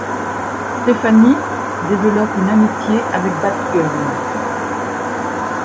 Stéphanie développe une amitié avec Batgirl.